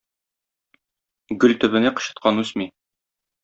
Гөл төбенә кычыткан үсми.